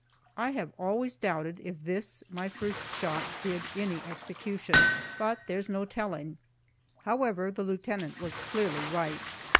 I have always doubted if this, my first shot, did any execution but there's no telling. However, the lieutenant was clearly right.